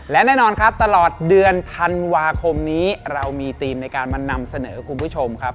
และแน่นอนครับตลอดเดือนธันวาคมนี้เรามีธีมในการมานำเสนอคุณผู้ชมครับ